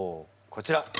こちら。